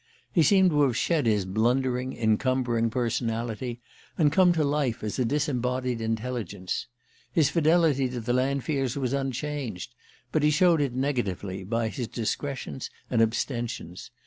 He seemed to have shed his blundering, encumbering personality, and come to life as a disembodied intelligence. His fidelity to the Lanfears was unchanged; but he showed it negatively, by his discretions and abstentions.